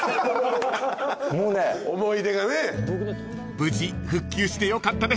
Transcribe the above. ［無事復旧してよかったです］